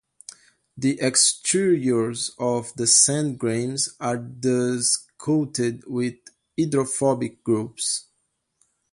The exteriors of the sand grains are thus coated with hydrophobic groups.